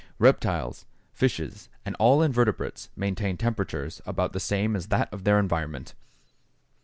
Reptiles, fishes, and all invertebrates maintain temperatures about the same as that of their environment.